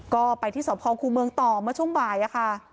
ก็ไปที่สพครูเมืองต่อเมื่อช่วงบ่ายค่ะ